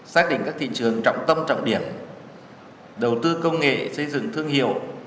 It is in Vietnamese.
xác định các thị trường trọng tâm trọng điểm đầu tư công nghệ xây dựng thương hiệu